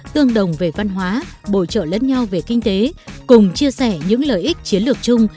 tương đồng về văn hóa bổ trợ lẫn nhau về kinh tế cùng chia sẻ những lợi ích chiến lược chung